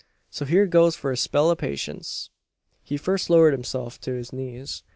So hyur goes for a spell o' patience." He first lowered himself to his knees.